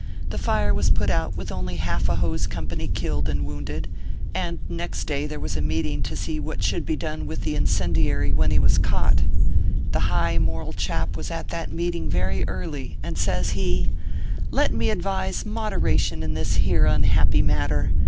The fire was put out with only half a hose company killed and wounded, and next day there was a meeting to see what should be clone with the incendiary when he was caught. The high ORPHEUS C. KERR PAPERS. 317 moral chap was at that meeting very early, and says he :" Let me advise moderation in this here unhappy matter.